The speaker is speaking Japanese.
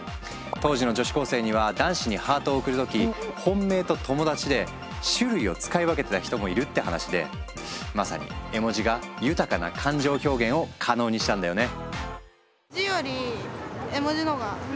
当時の女子高生には男子にハートを送る時本命と友達で種類を使い分けてた人もいるって話でまさに絵文字が豊かな感情表現を可能にしたんだよね。